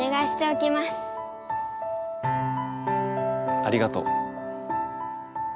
ありがとう。